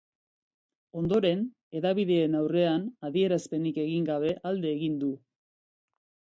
Ondoren, hedabideen aurrean adierazpenik egin gabe alde egin du.